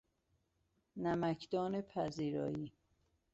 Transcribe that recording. نمکدان پذیرایی